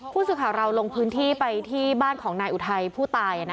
ผู้สื่อข่าวเราลงพื้นที่ไปที่บ้านของนายอุทัยผู้ตาย